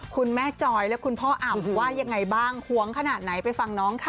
จอยและคุณพ่ออ่ำว่ายังไงบ้างหวงขนาดไหนไปฟังน้องค่ะ